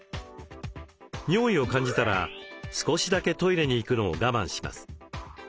尿意を感じたら少しだけトイレに行くのを我慢します。